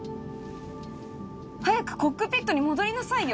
早くコックピットに戻りなさいよ！